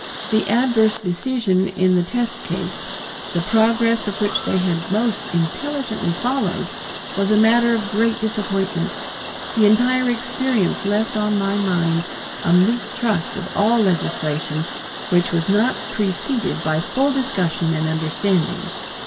The adverse decision in the test case, the progress of which they had most intelligently followed, was a matter of great disappointment. The entire experience left on my mind a mistrust of all legislation which was not preceded by full discussion and understanding.